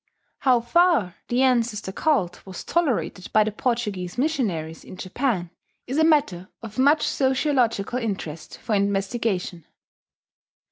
How far the ancestor cult was tolerated by the Portuguese missionaries in Japan is a matter of much sociological interest for investigation.